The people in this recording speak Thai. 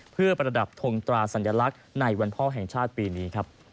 เพื่อประดับทงตราสัญลักษณ์ในวันพ่อแห่งชาติปีนี้ครับ